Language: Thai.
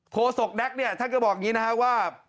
โคศกแดคเนี่ยท่านก็บอกอย่างงี้นะฮะว่า